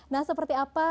nah seperti apa